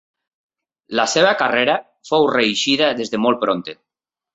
La seua carrera fou reeixida des de molt prompte.